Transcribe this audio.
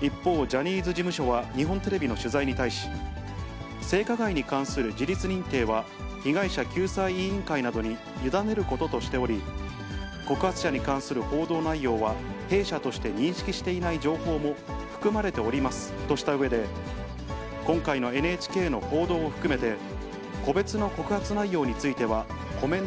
一方、ジャニーズ事務所は日本テレビの取材に対し、性加害に関する事実認定は、被害者救済委員会などに委ねることとしており、告発者に関する報道内容は弊社として認識していない情報も含まれておりますとしたうえで、今回のＮＨＫの報道を含めて、個別の告発内容についてはコメン